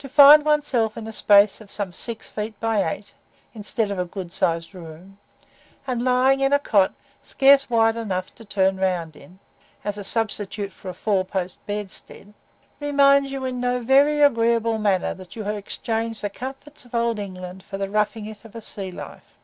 To find oneself in a space of some six feet by eight, instead of a good sized room, and lying in a cot, scarce wide enough to turn round in, as a substitute for a four post bedstead, reminds you in no very agreeable manner that you have exchanged the comforts of Old England for the "roughing it" of a sea life.